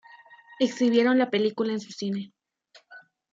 Exhibieron la película en su cine.